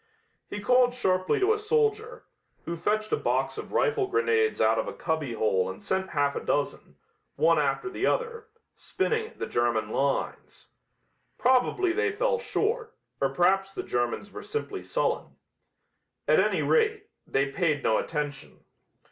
He called sharply to a soldier, who fetched a box of rifle grenades out of a cubbyhole and sent half a dozen, one after the other, spinning at the German lines. Probably they fell short, or perhaps the Germans were simply sullen. At any rate, they paid no attention.